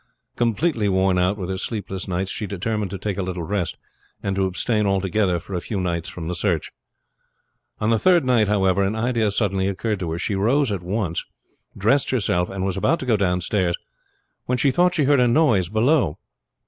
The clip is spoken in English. Completely worn out with her sleepless nights, she determined to take a little rest, and to abstain altogether for a few nights from the search. On the third night, however, an idea suddenly occurred to her. She rose at once, dressed herself, and was about to go downstairs, when she thought that she heard a noise below.